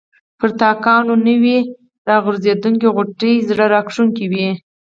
پر تاکانو نوي راټوکېدلي غوټۍ زړه راکښونکې وې.